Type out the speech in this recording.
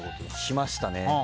きましたね。